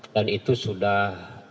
dan itu sudah disampaikan